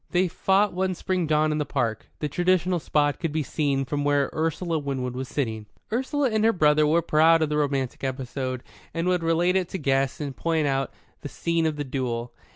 They fought one spring dawn in the park the traditional spot could be seen from where Ursula Winwood was sitting. Ursula and her brother were proud of the romantic episode, and would relate it to guests and point out the scene of the duel.